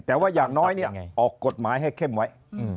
แต่ว่าอย่างน้อยออกกฎหมายให้เข้มไว้